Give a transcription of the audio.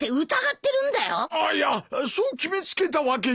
いやそう決め付けたわけじゃ。